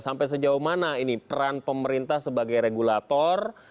sampai sejauh mana ini peran pemerintah sebagai regulator